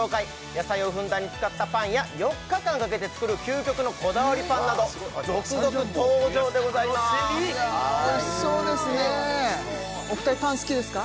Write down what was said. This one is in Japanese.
野菜をふんだんに使ったパンや４日間かけて作る究極のこだわりパンなど続々登場でございますおいしそうですねお二人パン好きですか？